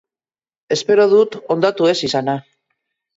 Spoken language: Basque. Espero dut hondatu ez izana!